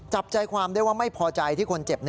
จับใจความได้ว่าไม่พอใจที่คนเจ็บ